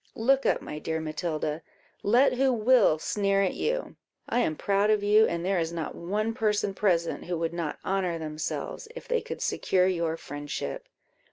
Look up, my dear Matilda! let who will sneer at you, I am proud of you; and there is not one person present who would not honour themselves, if they could secure your friendship.